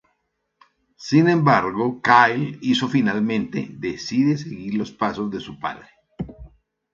Sin embargo, Kyle hizo finalmente decide seguir los pasos de su padre.